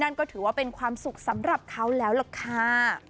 นั่นก็ถือว่าเป็นความสุขสำหรับเขาแล้วล่ะค่ะ